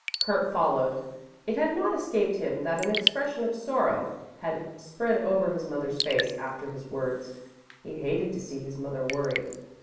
Kurt followed. It had not escaped him that an expression of sorrow had spread over his mother's face after his words. He hated to see his mother worried.